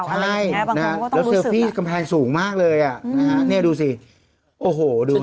ใช่แล้วเซอร์ฟี่กำแพงสูงมากเลยอ่ะนี่ดูสิโอ้โหดูฮะ